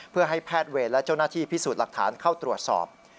เพื่อให้แพทย์เวรและเจ้าหน้าที่พิสูจน์หลักฐานเข้าตรวจสอบ